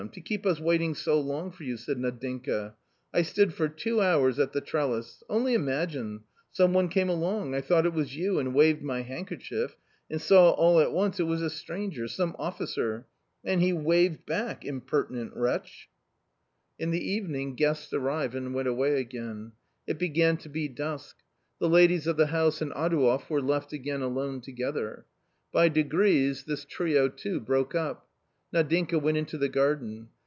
to keep us waiting so long for you !" said Nadinka :" I stood for two hours at the trellis ; only imagine ! some one came along ; I thought it was you and waved my handkerchief, and saw all at once it was a stranger, some officer. And he waved back, imperti nent wretch !". 92 A COMMON STORY In the evening guests arrived and went away again. It began to be dusk. The ladies of the house and Adouev were left again alone together. By degrees this trio too broke up. Nadinka went into the garden.